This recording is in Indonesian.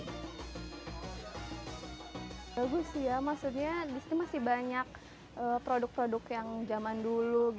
bagus ya maksudnya di sini masih banyak produk produk yang zaman dulu